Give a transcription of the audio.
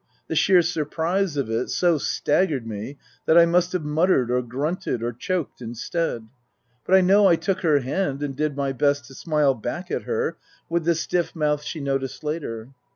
The sheer surprise of it so staggered me that I must have muttered or grunted or choked instead. But I know I took her hand and did my best to smile back at her with the stiff mouth she noticed later.